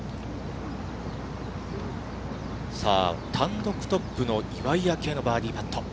さあ、単独トップの岩井明愛のバーディーパット。